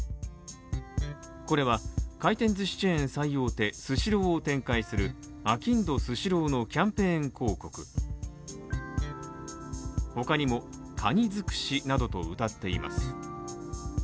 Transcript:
これは、回転ずしチェーン最大手スシローを展開するあきんどスシローのキャンペーン広告他にも、かにづくしなどとうたっています。